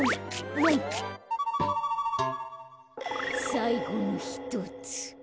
さいごのひとつ。